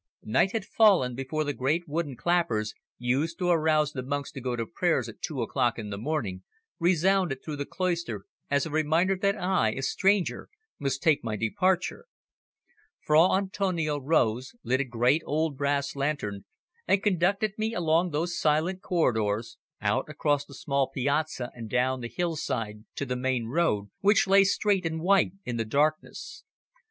Night had fallen before the great wooden clappers, used to arouse the monks to go to prayers at two o'clock in the morning, resounded through the cloister as a reminder that I, a stranger, must take my departure. Fra Antonio rose, lit a great old brass lantern, and conducted me along those silent corridors, out across the small piazza and down the hillside to the main road which lay straight and white in the darkness.